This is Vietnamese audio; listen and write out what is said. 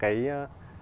cái lệ thiết